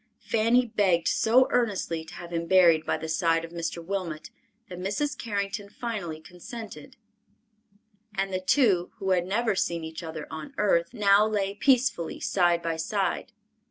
Fanny begged so earnestly to have him buried by the side of Mr. Wilmot that Mrs. Carrington finally consented, and the two, who had never seen each other on earth, now lay peacefully side by side.